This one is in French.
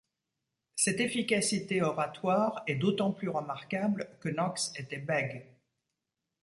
Cette efficacité oratoire est d'autant plus remarquable que Knox était bègue.